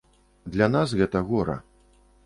Для нас гэта гора.